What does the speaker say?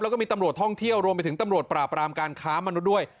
แล้วก็มีตำรวจท่องเที่ยวรวมไปถึงตำรวจปราบรามการค้ามนุษย์ด้วย